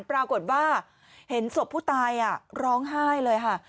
ปรากฏว่าเห็นศพผู้ตายร้องไห้เลยค่ะ